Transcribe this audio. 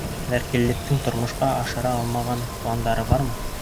— Вәкиллектең тормошҡа ашыра алмаған пландары бармы?